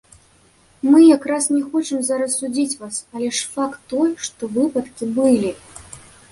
Мы якраз не хочам зараз судзіць вас, але ж факт той, што выпадкі былі.